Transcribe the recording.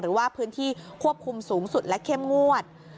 หรือว่าพื้นที่ควบคุมสูงสุดและเข้มงวด